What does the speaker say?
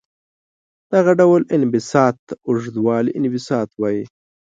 دغه ډول انبساط ته اوږدوالي انبساط وايي.